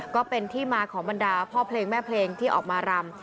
ก็เป็นที่มาของบรรดาพ่อเพลงแม่เพลงที่ออกมารำ